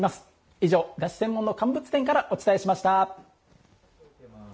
以上、だし専門の乾物店からお伝えしました。